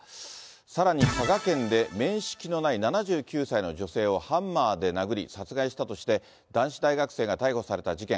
さらに、佐賀県で面識のない７９歳の女性をハンマーで殴り、殺害したとして男子大学生が逮捕された事件。